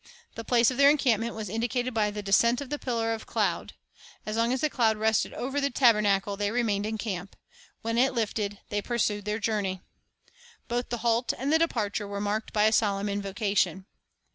The place of their encamp ment was indicated by the descent of the pillar of cloud. As long as the cloud rested over the tabernacle, they remained in camp. When it lifted, they pursued their journey. Both the halt and the departure were marked by a solemn invocation.